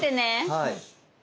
はい。